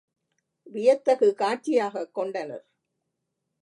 வியத்தகு காட்சியாகக் கொண்டனர்.